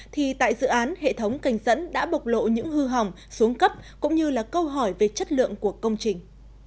thì tại dự án hệ thống cảnh dẫn đã bộc lộ những hư hỏng xuống cấp cũng như là câu hỏi về chất lượng của công trình